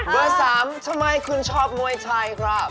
เบอร์สามทำไมคุณชอบมวยไทยครับ